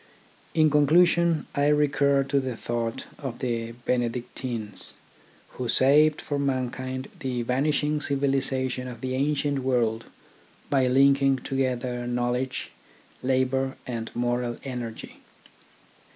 In conclusion, I recur to the thought of the Benedictines, who saved for mankind the vanish ing civilisation of the ancient world by linking together knowledge, labour, and moral energy.